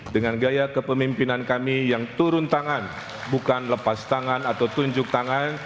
dengan gaya kepemimpinan kami yang turun tangan bukan lepas tangan atau tunjuk tangan